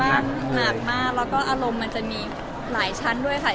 หนักมากแล้วก็อารมณ์มันจะมีหลายชั้นด้วยค่ะ